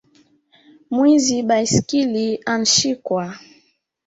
Mwizi baiskili anshikwa